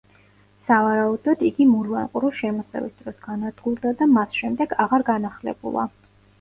სავარაუდოდ, იგი მურვან ყრუს შემოსევის დროს განადგურდა და მას შემდეგ აღარ განახლებულა.